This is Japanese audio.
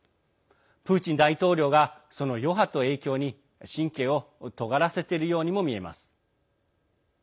プーチン大統領がその余波と影響に神経をとがらせているようにも見えます。